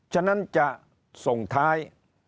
ฉะนั้นจะส่งท้าย